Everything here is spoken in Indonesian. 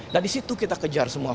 dan di situ kita kejar semua